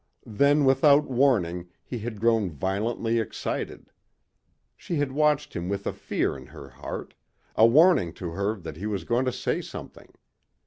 Then without warning he had grown violently excited. She had watched him with a fear in her heart a warning to her that he was going to say something.